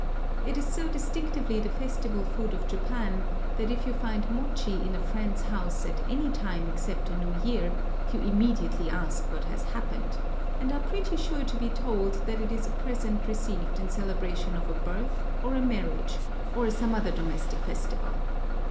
It is so distinctively the festival food of Japan that if you find mochi in a friend's house at any time except the new year, you immediately ask what has happened, and are pretty sure to be told that it is a present received in celebration of a birth or a marriage, or some other domestic festival.